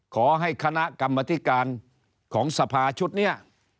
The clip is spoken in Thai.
ขอให้คณะกรรมธิการของสภาชุดนี้